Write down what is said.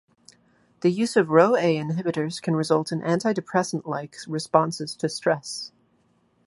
The use of RhoA inhibitors can result in antidepressant like responses to stress.